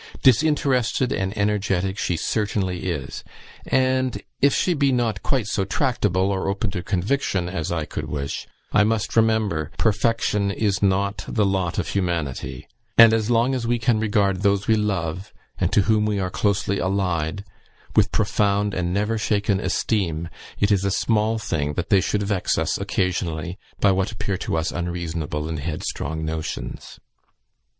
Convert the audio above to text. Disinterested and energetic she certainly is; and if she be not quite so tractable or open to conviction as I could wish, I must remember perfection is not the lot of humanity; and as long as we can regard those we love, and to whom we are closely allied, with profound and never shaken esteem, it is a small thing that they should vex us occasionally by what appear to us unreasonable and headstrong notions.